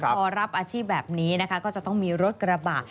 พอรับอาชีพแบบนี้นะคะก็จะต้องมีรถกระบะ